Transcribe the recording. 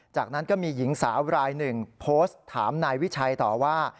จากนั้นก็มีหญิงสาวรายหนึ่งโพสต์ถามนายวิชัยต่อว่า